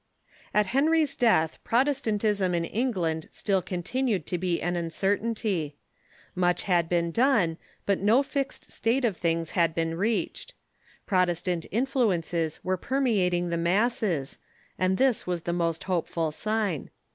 At Henry's death Protestantism in England still continued to be an uncertainty. Much had been done, but no fixed state of things had been reached. Protestant "oliLlllfi^l ^ influences were permeating the masses, and this Reiormation i »'was the most hopeful sign.